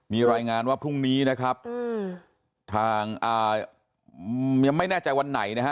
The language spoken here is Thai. มีรายงานว่าพรุ่งนี้นะครับทางยังไม่แน่ใจวันไหนนะฮะ